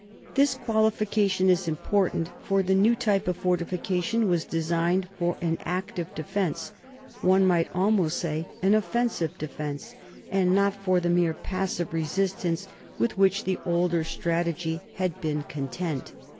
This qualification is important, for the new type of fortification was de signed for an active defence, one might almost say an offensive defence, and not for the mere passive resist ance with which the older strategy had been content.